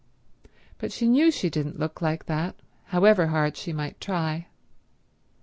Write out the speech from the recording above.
But she knew she didn't look like that, however hard she might try.